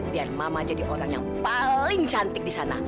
biar mama jadi orang yang paling cantik di sana